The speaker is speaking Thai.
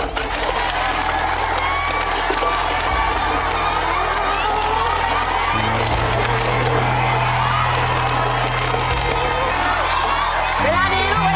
เวลาดีลูกเวลาดี